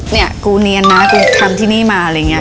เนี่ยกูเนียนนะกูทำที่นี่มาอะไรอย่างนี้